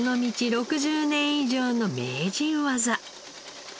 ６０年以上の名人技。